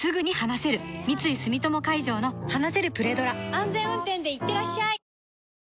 安全運転でいってらっしゃい